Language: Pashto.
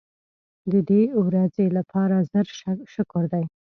د دې ورځې لپاره زر شکر دی.